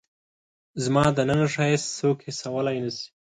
زما دننه ښایست څوک حسولای نه شي